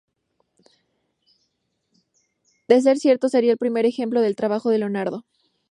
De ser cierto, sería el primer ejemplo del trabajo de Leonardo.